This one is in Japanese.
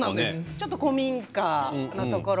ちょっと古民家のところ。